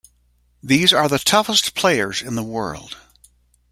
These are the toughest players in the world.